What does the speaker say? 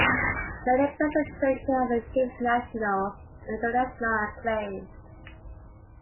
Many persons trained here have achieved national and international acclaim.